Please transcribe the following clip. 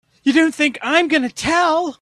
You don't think I'm gonna tell!